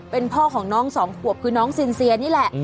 เป็นพ่อของน้องสองขวบคือน้องซินเซียนี่แหละ